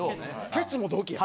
ケツも同期や。